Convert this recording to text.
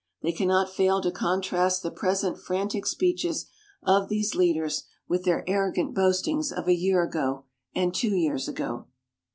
They cannot fail to contrast the present frantic speeches of these leaders with their arrogant boastings of a year ago, and two years ago.